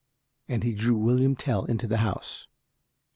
and he drew William Tell into the house.